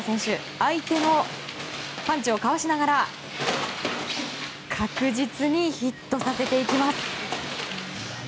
相手のパンチをかわしながら確実にヒットさせていきます。